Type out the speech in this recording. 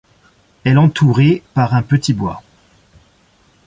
Elle entourée par un petit bois.